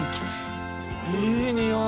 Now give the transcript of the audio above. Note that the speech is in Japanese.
いいにおい！